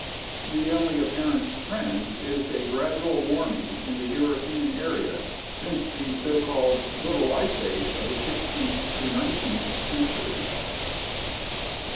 The only apparent trend is a gradual warming in the European area since the so called Little Ice Age of the sixteenth to nineteenth centuries.